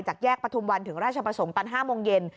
จากแยกประทุมวัลถึงราชบาสงค์ตัน๕มเย็น